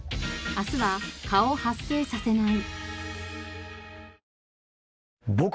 明日は蚊を発生させない。